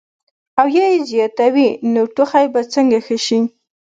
او يا ئې زياتوي نو ټوخی به څنګ ښۀ شي -